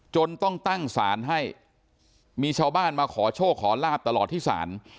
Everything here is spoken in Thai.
จนต้องตั้งศาลให้มีชาวบ้านมาขอโชคขอลาบตลอดที่ศาล